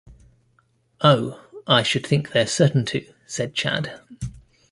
"Oh, I should think they're certain to," said Chad.